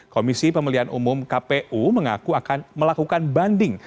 komisi pemilihan umum kpu mengaku akan melakukan banding